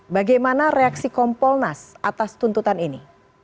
bagaimana reaksi kompolnas atas tuntutan ini